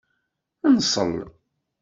Nṣel.